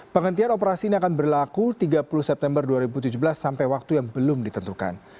penghentian operasi ini akan berlaku tiga puluh september dua ribu tujuh belas sampai waktu yang belum ditentukan